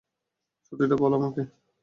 সত্যিটা বল আমাকে।